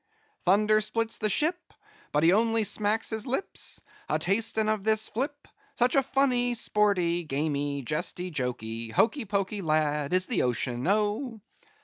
Thunder splits the ships, But he only smacks his lips, A tastin' of this flip,— Such a funny, sporty, gamy, jesty, joky, hoky poky lad, is the Ocean, oh!